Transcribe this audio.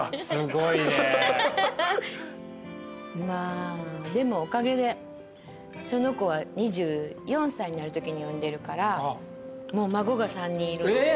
まあでもおかげでその子は２４歳になるときに産んでるからもう。えっ。